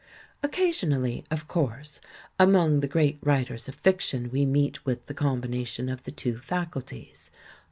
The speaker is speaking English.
Occasionally, of course, among the great writ ers of fiction we meet with the combination of the two faculties.